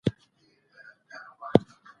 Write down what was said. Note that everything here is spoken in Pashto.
ناروغ ته د ارام کولو فرصت ورکړئ.